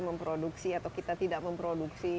memproduksi atau kita tidak memproduksi